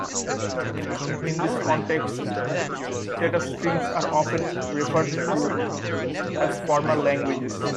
In this context, sets of strings are often referred to as formal languages.